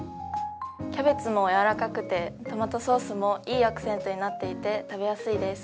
キャベツもやわらかくて、トマトソースもいいアクセントになっていて、食べやすいです。